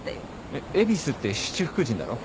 えっエビスって七福神だろ？